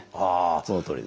そのとおりです。